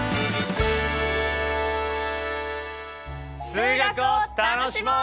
数学を楽しもう！